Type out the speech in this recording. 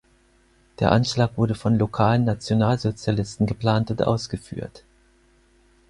Der Anschlag wurde von lokalen Nationalsozialisten geplant und ausgeführt.